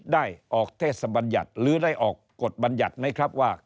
ได้ออกเทศบัญญัติหรือได้ออกกฎบัญญัติไหมครับว่า